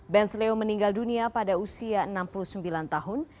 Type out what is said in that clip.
benz leo meninggal dunia pada usia enam puluh sembilan tahun